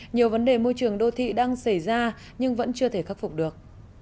nhiều vấn đề môi trường đô thị đang xảy ra nhưng vẫn chưa thể khắc phục được